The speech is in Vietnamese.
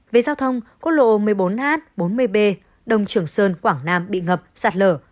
về giao thông quốc lộ một mươi bốn h bốn mươi b đông trưởng sơn quảng nam bị ngập sạt lở